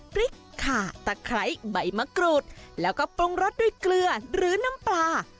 พริกขาตะไคร้ใบมะกรูดแล้วก็ปรุงรสด้วยเกลือหรือน้ำปลา